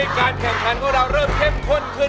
ตอนนี้การแข่งขันของเราเริ่มเข้มข้นขึ้นนะครับ